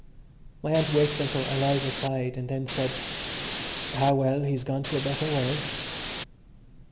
My aunt waited until Eliza sighed and then said: "Ah, well, he's gone to a better world."